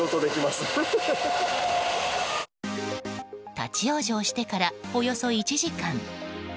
立ち往生してからおよそ１時間。